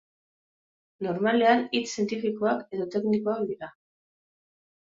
Normalean hitz zientifikoak edo teknikoak dira.